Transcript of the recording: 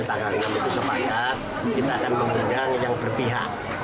kita akan memegang yang berpihak